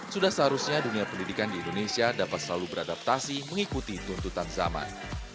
sudah seharusnya dunia pendidikan di indonesia dapat selalu beradaptasi mengikuti tuntutan zaman